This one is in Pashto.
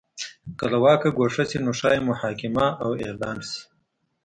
که له واکه ګوښه شي نو ښايي محاکمه او اعدام شي.